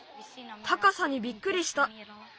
たかさにびっくりした。